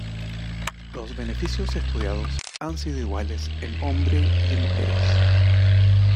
Los beneficios estudiados han sido iguales en hombre y en mujeres.